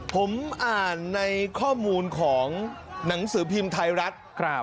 ผมอ่านในข้อมูลของหนังสือพิมพ์ไทยรัฐ